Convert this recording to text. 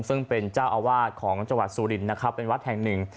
ซึ่งเป็นเจ้าอาวาสของจังหวัดสุรินนะครับเป็นวัดแห่งหนึ่ง